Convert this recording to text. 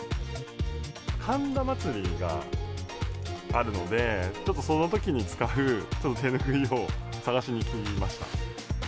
神田祭があるので、ちょっとそのときに使う手拭いを探しに来ました。